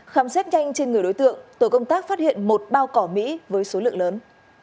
khám xét nhanh trên người đối tượng tổ công tác phát hiện một bao cỏ mỹ với số lượng lớn